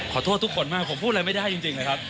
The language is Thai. ทุกคนมากผมพูดอะไรไม่ได้จริงนะครับ